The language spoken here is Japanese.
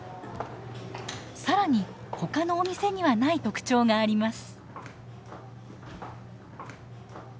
更にほかのお店にはない特徴があります。